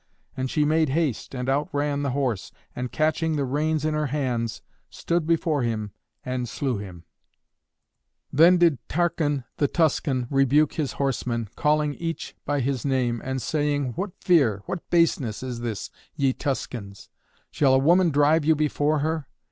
And she made haste and outran the horse, and catching the reins in her hands, stood before him and slew him. [Illustration: CAMILLA AND THE SON OF AUNUS.] Then did Tarchon the Tuscan rebuke his horsemen, calling each by his name, and saying, "What fear, what baseness, is this, ye Tuscans? Shall a woman drive you before her?